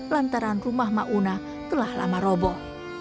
lantaran rumah mauna telah lama roboh